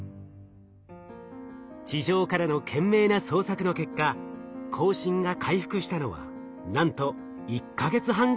地上からの懸命な捜索の結果交信が回復したのはなんと１か月半後のことでした。